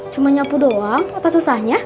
cuma nyapu doang apa susahnya